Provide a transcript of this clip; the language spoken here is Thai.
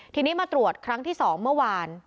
ทีนี้มาตรวจครั้งที่๒เมื่อวาน